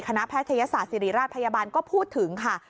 แพทยศาสตร์ศิริราชพยาบาลก็พูดถึงค่ะ